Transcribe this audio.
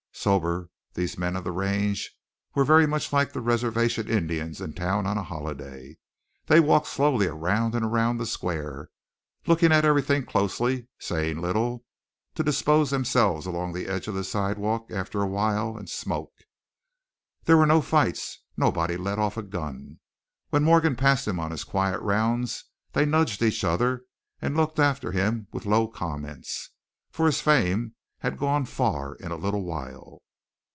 Sober, these men of the range were very much like reservation Indians in town on a holiday. They walked slowly around and around the square, looking at everything closely, saying little, to dispose themselves along the edge of the sidewalk after a while and smoke. There were no fights, nobody let off a gun. When Morgan passed them on his quiet rounds, they nudged each other, and looked after him with low comments, for his fame had gone far in a little while.